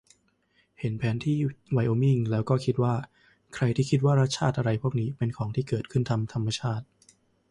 เห็นแผนที่ไวโอมิงแล้วก็คิดว่า ใครที่คิดว่ารัฐชาติอะไรพวกนี้เป็นของที่เกิดขึ้นตามธรรมชาติ